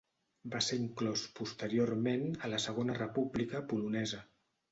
Va ser inclòs posteriorment a la Segona República Polonesa.